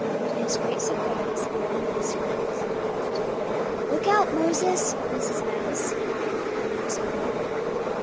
To his great surprise, none of his friends laughed. "Look out, Moses!" Mrs. Mouse cried the next moment.